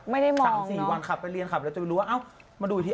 ไม่ได้มอง๓๔วันขับไปเรียนขับแล้วจะไปรู้ว่าเอ้ามาดูอีกที